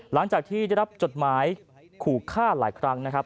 หลังจากที่ได้รับจดหมายขู่ฆ่าหลายครั้งนะครับ